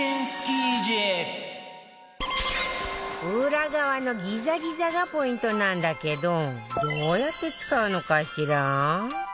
裏側のギザギザがポイントなんだけどどうやって使うのかしら？